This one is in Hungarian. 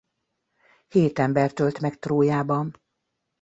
Hét embert ölt meg Trójában.